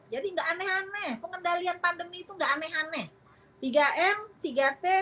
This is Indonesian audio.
jadi tidak aneh aneh pengendalian pandemi itu tidak aneh aneh